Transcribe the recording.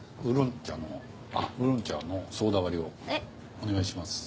お願いします。